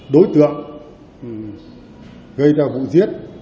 đối tượng gây ra vụ giết